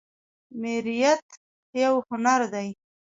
میریت یو هنر دی